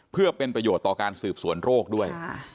เป็นประโยชน์ต่อการสื่อส่วนโรคด้วย